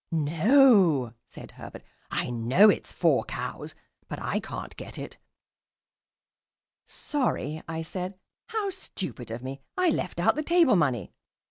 "No," said Herbert; "I know it's 'four cows,' but I can't get it." "Sorry," I said, "how stupid of me; I left out the table money."